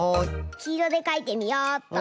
きいろでかいてみよっと。